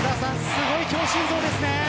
すごい強心臓ですね。